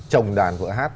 chồng đàn vợ hát